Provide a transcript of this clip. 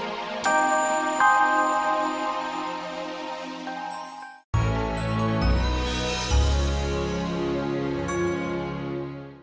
aku mau tidur